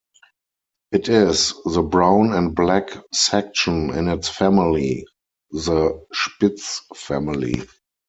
It is in the "brown and black section" in its family, the Spitz family.